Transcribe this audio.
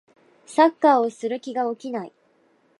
サッカーをする気が起きない